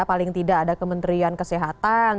paling tidak ada kementerian kesehatan